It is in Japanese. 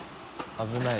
危ない。